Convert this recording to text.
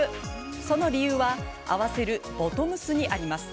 その理由は合わせるボトムスにあります。